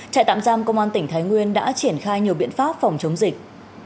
trại tạm giam công an tỉnh thái nguyên đã triển khai nhiều biện pháp phòng chống dịch